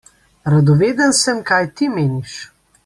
Radoveden sem, kaj ti meniš!